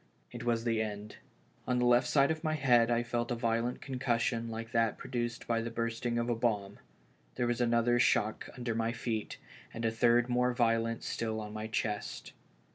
It was tlie end. On the left side of my head I felt a violent concussion like that produced by the burst ing of a bomb; there was another shock under my feet, 264 BURIED ALIVE. and a third mote violent still on my chest.